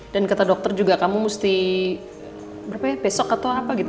dan kata dokter juga kamu mesti berapa ya besok atau apa gitu